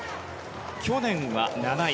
去年は７位。